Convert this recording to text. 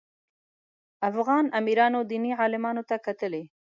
افغان امیرانو دیني عالمانو ته کتلي.